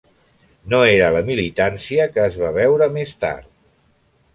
No era la militància que es va veure més tard.